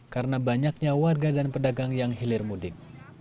karena banyaknya warga dan pedagang yang hilir mudik